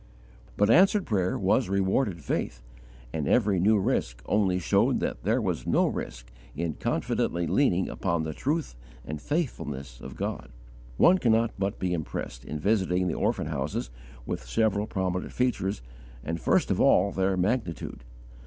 But answered prayer was rewarded faith, and every new risk only showed that there was no risk in confidently leaning upon the truth and faithfulness of God. One cannot but be impressed, in visiting the orphan houses, with several prominent features, and first of all their magnitude.